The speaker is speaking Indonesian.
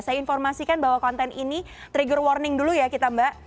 saya informasikan bahwa konten ini trigger warning dulu ya kita mbak